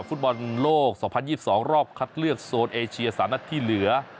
ฟุตบอลโลก๒๐๒๒รอบคัดเลือกโซนเอเชีย๓นัดที่เหลือ